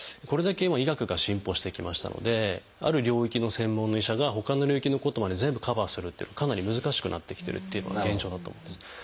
これだけ今医学が進歩してきましたのである領域の専門の医者がほかの領域のことまで全部カバーするっていうのはかなり難しくなってきてるというのが現状だと思うんです。